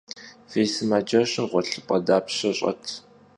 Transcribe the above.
Fi sımaceşım ğuelhıp'e dapşe ş'et?